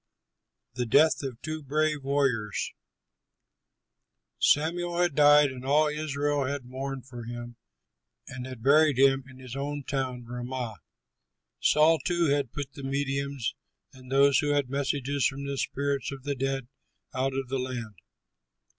THE DEATH OF TWO BRAVE WARRIORS Samuel had died and all Israel had mourned for him and had buried him in his own town Ramah. Saul, too, had put the mediums and those who had messages from the spirits of the dead out of the land.